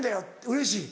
うれしい？